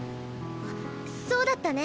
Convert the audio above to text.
そうだったね。